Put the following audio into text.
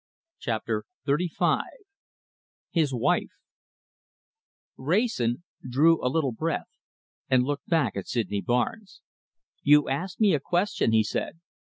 CHAPTER XXXV HIS WIFE Wrayson drew a little breath and looked back at Sydney Barnes. "You asked me a question," he said.